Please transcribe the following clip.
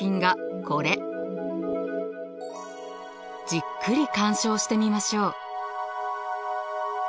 じっくり鑑賞してみましょう！